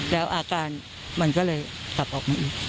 แล้วอาการมันก็เลยกลับออกมาอีก